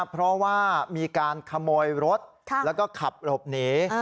เพราะว่ามีการขโมยรถแล้วก็ขับหลบหนี